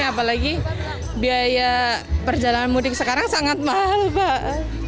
apalagi biaya perjalanan mudik sekarang sangat mahal pak